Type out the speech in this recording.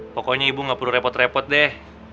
pokoknya ibu gak perlu repot repot deh